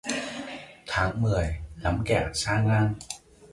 Tháng mười lắm kẻ sang ngang